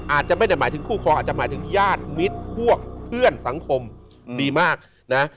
อาจจะไม่ได้หมายถึงคู่ครองอาจจะหมายถึงญาติมิตรพวกเพื่อนสังคมดีมากนะ